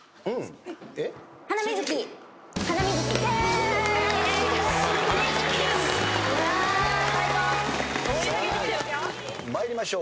『ハナミズキ』参りましょう。